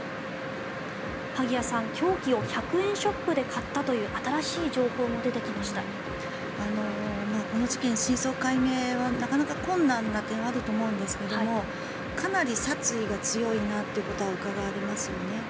萩谷さん、凶器を１００円ショップで買ったというこの事件、真相解明はなかなか困難な点はあると思うんですがかなり殺意が強いなということはうかがえますよね。